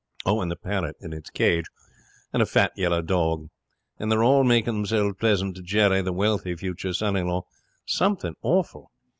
And the parrot in its cage and a fat yellow dog. And they're all making themselves pleasant to Jerry, the wealthy future son in law, something awful.